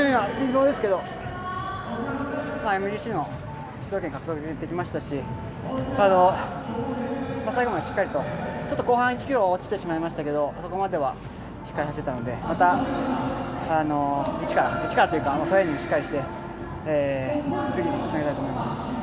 ＭＧＣの出場権獲得できましたし最後までしっかりと後半１キロ落ちてしまいましたけどそこまではしっかり走れていたのでまた１から１からというかトレーニングをしっかりして備えたいです。